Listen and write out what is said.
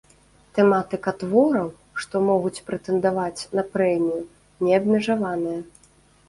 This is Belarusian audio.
Тэматыка твораў, што могуць прэтэндаваць на прэмію, неабмежаваная.